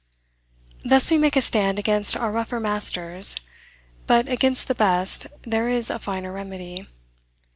Thus we make a stand against our rougher masters; but against the best there is a finer remedy.